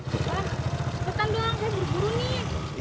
bang kebetulan doang saya buru buru nih